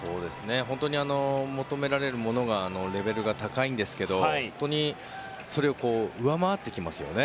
本当に求められるレベルが高いんですけどそれを上回ってきますね。